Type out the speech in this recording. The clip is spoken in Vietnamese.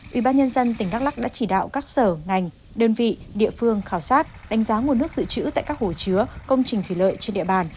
ubnd tỉnh đắk lắc đã chỉ đạo các sở ngành đơn vị địa phương khảo sát đánh giá nguồn nước dự trữ tại các hồ chứa công trình thủy lợi trên địa bàn